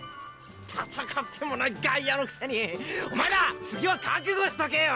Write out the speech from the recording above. ⁉戦ってもない外野のくせにお前ら次は覚悟しとけよ！